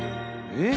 えっ？